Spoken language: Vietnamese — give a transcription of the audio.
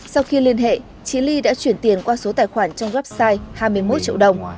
sau khi liên hệ chị ly đã chuyển tiền qua số tài khoản trong website hai mươi một triệu đồng